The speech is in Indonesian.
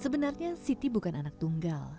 sebenarnya siti bukan anak tunggal